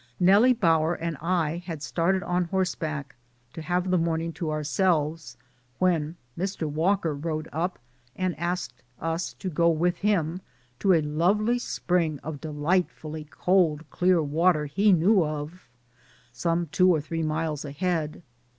Nellie Bower and I had started on horseback to have the morning to ourselves, when Mr. Walker rode up and asked us to go with him to a lovely spring of delightfully cold, clear water he knew of, some two or three miles ahead.